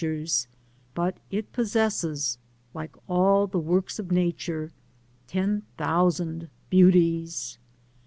S49 tures, but it possesses, like all the works of nature, ten thousand beauties.